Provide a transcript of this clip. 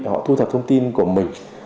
họ thu thập thông tin của mình